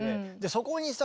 そこにさ